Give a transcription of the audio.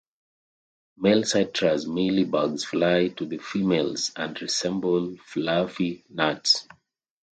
Male citrus mealy bugs fly to the females and resemble fluffy gnats.